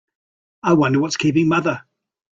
I wonder what's keeping mother?